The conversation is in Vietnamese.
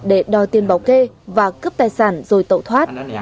để đòi tiền bảo kê và cướp tài sản rồi tẩu thoát